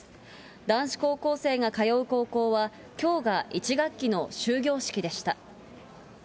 男子高校生が通う高校は、きょうが１学期の終業式でした。